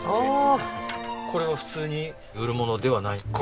これは普通に売るものではない？